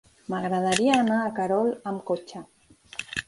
M'agradaria anar a Querol amb cotxe.